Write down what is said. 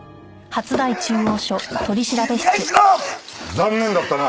残念だったな。